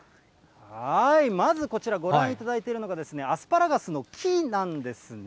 まずこちら、ご覧いただいているのがアスパラガスの木なんですね。